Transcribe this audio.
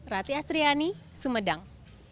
rati asriani sumedang